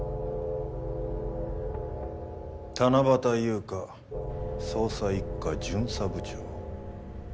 七夕夕夏捜査一課巡査部長。